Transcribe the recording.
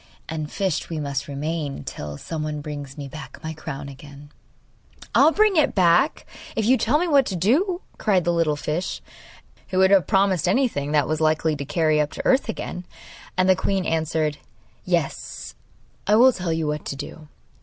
And fished we must remain till someone brings me back my crown again!' 'I will bring it back if you tell me what to do!' cried the little fish, who would have promised anything that was likely to carry her up to earth again. And the queen answered: 'Yes, I will tell you what to do.